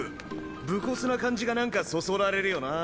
武骨な感じがなんかそそられるよなぁ。